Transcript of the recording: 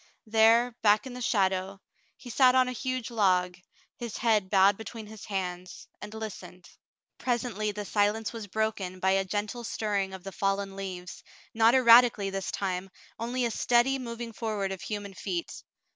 There, back in the shadow, he sat on a huge log, his head bowed between his hands, and listened. '4t Frale's Confession 41 Presently the silence was broken by a gentle stirring of the fallen leaves, not erratically this time, only a steady moving forward of human feet.